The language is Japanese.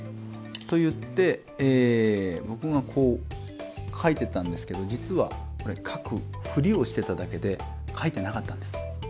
と言って僕がこうかいてたんですけど実はこれかくフリをしてただけでかいてなかったんです。